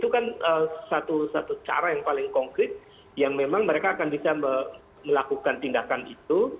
itu kan satu satu cara yang paling konkret yang memang mereka akan bisa melakukan tindakan itu